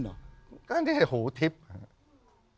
ก็อย่างเนี้ยหูทิพย์